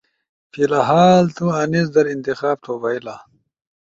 فی الھال تو انیس در انتخاب تھو بئیلا۔